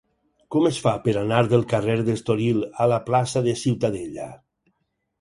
Com es fa per anar del carrer d'Estoril a la plaça de Ciutadella?